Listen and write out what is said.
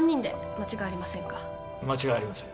間違いありません